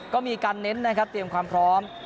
ก็มีการเน้นนะครับเตรียมความพร้อม